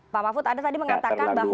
pak mahfud anda tadi mengatakan bahwa